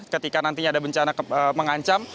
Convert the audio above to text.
ketika nantinya ada bencana mengancam